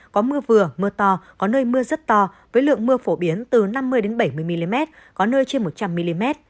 có mưa vừa mưa to có nơi mưa rất to với lượng mưa phổ biến từ năm mươi bảy mươi mm có nơi trên một trăm linh mm